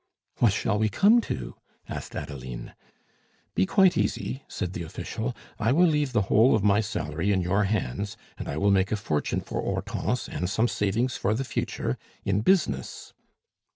"What shall we come to?" asked Adeline. "Be quite easy," said the official, "I will leave the whole of my salary in your hands, and I will make a fortune for Hortense, and some savings for the future, in business."